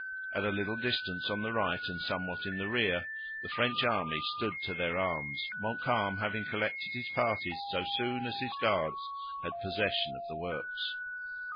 At a little distance on the right, and somewhat in the rear, the French army stood to their arms, Montcalm having collected his parties, so soon as his guards had possession of the works.